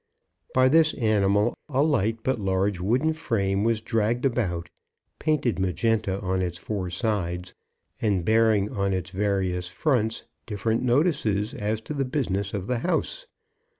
By this animal a light but large wooden frame was dragged about, painted Magenta on its four sides, and bearing on its various fronts different notices as to the business of the house.